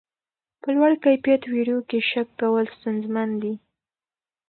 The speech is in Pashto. په لوړ کیفیت ویډیو کې شک کول ستونزمن دي.